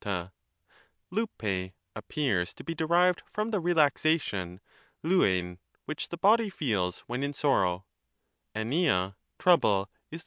Avrrr] appears to be derived from the relaxation (Xveiv) avia. which the body feels when in sorrow ; dvia (trouble) is the <iAy.